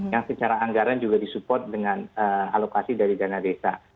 yang secara anggaran juga disupport dengan alokasi dari dana desa